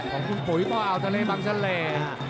ของคุณปุ๋ยป้ออาวทะเลบังทะเล